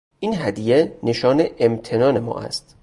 این هدیه نشان امتنان ما است.